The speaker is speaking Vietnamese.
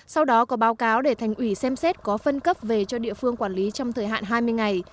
sau đó có báo cáo để thành ủy xem xét có phân cấp về cho địa phương quản lý trong thời hạn hai mươi ngày